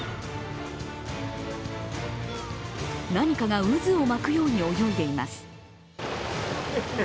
何かが渦を巻くように泳いでいます。